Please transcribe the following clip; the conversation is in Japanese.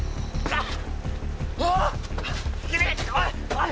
おい！